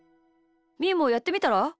みーもやってみたら？